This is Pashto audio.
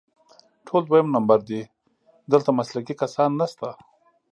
ټول دویم نمبر دي، دلته مسلکي کسان نشته